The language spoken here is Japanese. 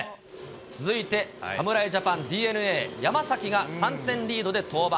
続いて、侍ジャパン、ＤｅＮＡ、山崎が３点リードで登板。